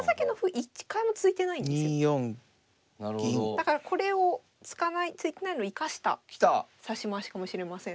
だからこれを突いてないのを生かした指し回しかもしれません。